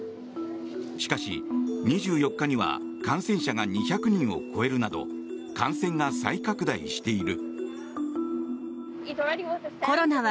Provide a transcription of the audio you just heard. しかし、２４日には感染者が２００人を超えるなど感染が再拡大している。